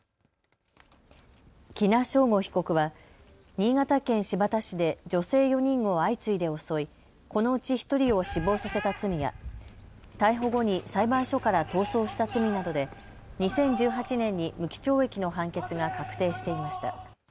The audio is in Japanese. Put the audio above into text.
喜納尚吾被告は新潟県新発田市で女性４人を相次いで襲いこのうち１人を死亡させた罪や逮捕後に裁判所から逃走した罪などで２０１８年に無期懲役の判決が確定していました。